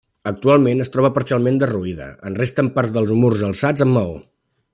Actualment es troba parcialment derruïda, en resten part dels murs alçats amb maó.